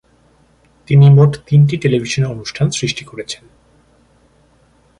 তিনি মোট তিনটি টেলিভিশন অনুষ্ঠান সৃষ্টি করেছেন।